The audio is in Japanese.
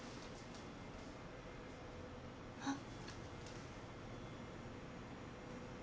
あっ。